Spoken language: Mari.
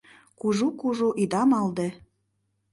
«Кужу-кужу» ида малде